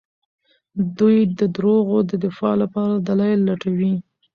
دوی د دروغو د دفاع لپاره دلايل لټوي.